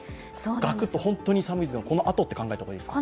ガクッと本当に寒いのはこのあとと考えた方がいいですか？